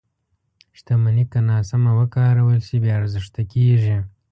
• شتمني که ناسمه وکارول شي، بې ارزښته کېږي.